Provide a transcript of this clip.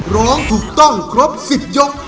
ร้องถูกต้องครบ๑๐ยก